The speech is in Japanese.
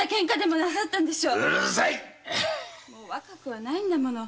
もう若くはないんですよ。